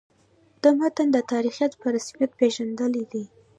د متن د تاریخیت په رسمیت پېژندل دي.